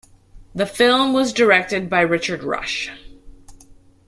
The film was directed by Richard Rush.